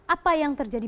apa yang terjadi